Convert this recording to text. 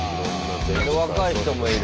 若い人もいる。